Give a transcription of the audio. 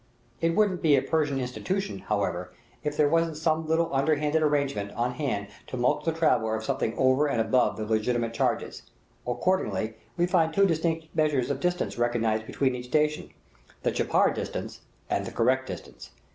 It wouldn't be a Persian institution, however, if there wasn't some little underhanded arrangement on hand to mulct the traveller of something over and above the legitimate charges. Accordingly, we find two distinct measurements of distance recognized between each station the "chapar distance" and the correct distance.